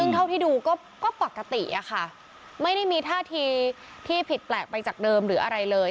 เท่าที่ดูก็ปกติอะค่ะไม่ได้มีท่าทีที่ผิดแปลกไปจากเดิมหรืออะไรเลย